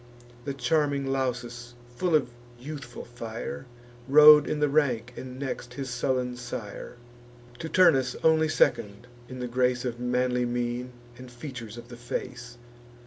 The charming Lausus, full of youthful fire, Rode in the rank, and next his sullen sire; To Turnus only second in the grace Of manly mien, and features of the face.